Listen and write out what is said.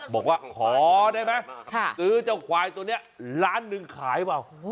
บอกว่าขอได้ไหมซื้อเจ้าควายตัวนี้ล้านหนึ่งขายเปล่า